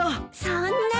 そんな。